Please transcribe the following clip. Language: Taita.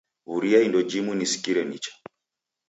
W'uria indo jimu nisikire nicha.